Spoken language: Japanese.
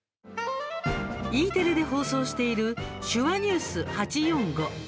Ｅテレで放送している「手話ニュース８４５」。